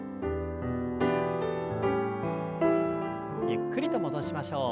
ゆっくりと戻しましょう。